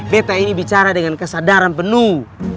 bt ini bicara dengan kesadaran penuh